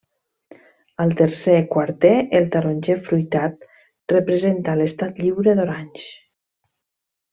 Al tercer quarter, el taronger fruitat representa l'Estat Lliure d'Orange.